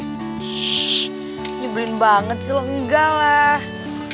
shhh nyebelin banget sih lo enggak lah